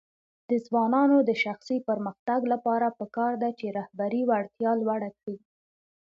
د ځوانانو د شخصي پرمختګ لپاره پکار ده چې رهبري وړتیا لوړه کړي.